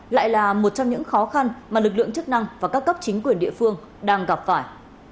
lại là một trong những khó khăn mà lực lượng chức năng và các cấp chính quyền địa phương đang gặp phải